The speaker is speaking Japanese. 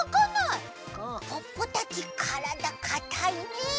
ポッポたちからだかたいね。